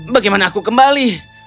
bagaimana aku kembali